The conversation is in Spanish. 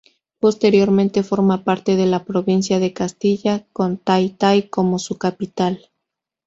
Posteriormente forma parte de la "Provincia de Castilla", con Taytay como su capital.